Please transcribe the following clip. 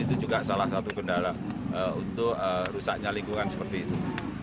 itu juga salah satu kendala untuk rusaknya lingkungan seperti itu